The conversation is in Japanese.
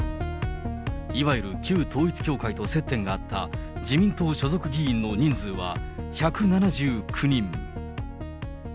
いわゆる旧統一教会と接点があった自民党所属議員の人数は１７９人。